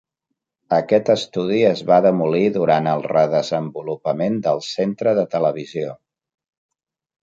Aquest estudi es va demolir durant el redesenvolupament del Centre de Televisió.